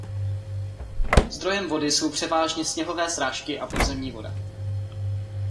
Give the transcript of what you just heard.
Zdrojem vody jsou převážně sněhové srážky a podzemní voda.